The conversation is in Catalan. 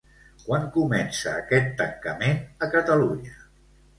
Quan comença aquest tancament a Catalunya?